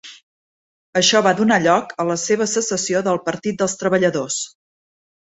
Això va donar lloc a la seva secessió del Partit dels Treballadors.